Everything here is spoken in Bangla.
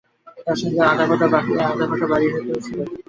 তার সঙ্গে আধা পাকা বাড়ি হয়তো ছিল সর্বসাকল্যে পুরো এলাকায় আট-দশটি।